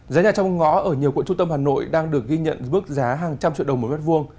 giá nhà trong ngõ ở nhiều quận trung tâm hà nội đang được ghi nhận mức giá hàng trăm triệu đồng mỗi mét vuông